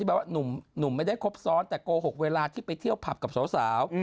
แบบว่าหนุ่มไม่ได้ครบซ้อนแต่โกหกเวลาที่ไปเที่ยวผับกับสาว